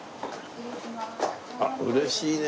あっ嬉しいね。